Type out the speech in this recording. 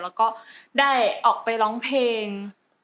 แล้วก็ได้ออกไปร้องเพลง